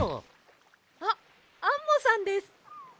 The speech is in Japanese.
あっアンモさんです！